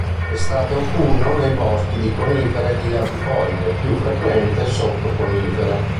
Estate-autunno nei boschi di conifere e di latifoglie, più frequente sotto conifere.